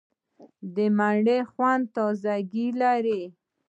د مڼې خوند تازهګۍ لري.